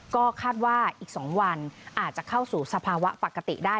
ก็คาดว่าอีก๒วันอาจจะเข้าสู่สภาวะปกติได้